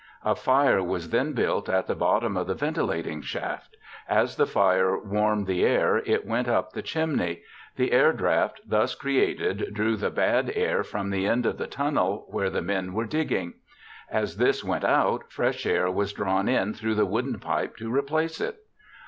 A fire was then built at the bottom of the ventilating shaft. As the fire warmed the air it went up the chimney. The draft thus created drew the bad air from the end of the tunnel where the men were digging. As this went out, fresh air was drawn in through the wooden pipe to replace it.